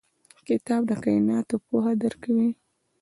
کتاب د کایناتو پوهه درکوي.